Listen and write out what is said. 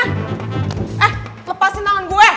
eh lepasin tangan gue